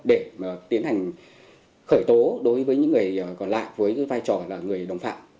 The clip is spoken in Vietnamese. để tiến hành khởi tố đối với những người còn lại với vai trò là người đồng phạm